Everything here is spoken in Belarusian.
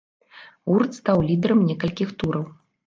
Гурт стаў лідэрам некалькіх тураў.